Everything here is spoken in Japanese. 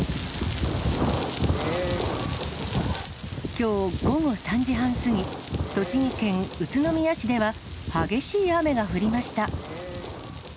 きょう午後３時半過ぎ、栃木県宇都宮市では、激しい雨が降りました。